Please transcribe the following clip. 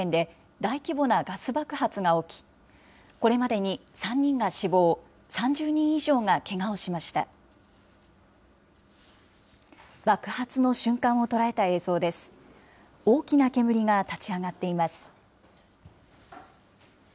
大きな煙が立ち上がっています。